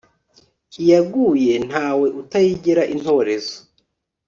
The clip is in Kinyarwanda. iyaguye ntawe utayigera intorezo